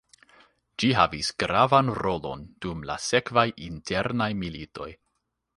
Ĝi havis gravan rolon dum la sekvaj internaj militoj.